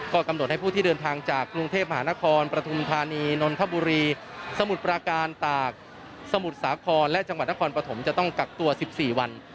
ก็กำหนดให้ผู้ที่เดินทางจากกรุงเทพมหานครปฐุมธานีนนทบุรีสมุทรปราการตากสมุทรสาครและจังหวัดนครปฐมจะต้องกักตัว๑๔วัน